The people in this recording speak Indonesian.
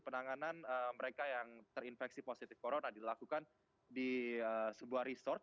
penanganan mereka yang terinfeksi positif corona dilakukan di sebuah resort